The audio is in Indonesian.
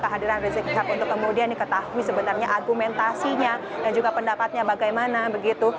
kehadiran rizik syihab untuk kemudian diketahui sebenarnya argumentasinya dan juga pendapatnya bagaimana begitu